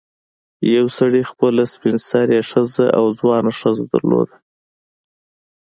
یو سړي خپله سپین سرې ښځه او ځوانه ښځه درلوده.